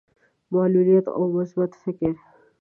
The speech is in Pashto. معلوليت او مثبت فکر.